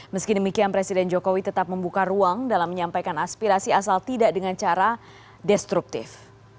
meski demikian presiden jokowi tetap membuka ruang dalam menyampaikan aspirasi asal tidak dengan cara destruktif